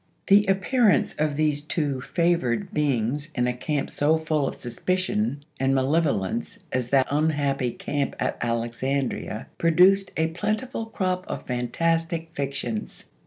The appearance of these two favored beings in a camp so full of suspicion and malevolence as that unhappy camp at Alexandria produced a plentiful crop of fantastic fictions.